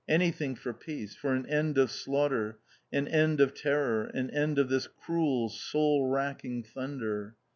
Anything for peace, for an end of slaughter, an end of terror, an end of this cruel soul racking thunder.